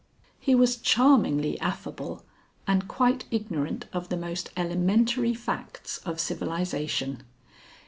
He was charmingly affable and quite ignorant of the most elementary facts of civilization.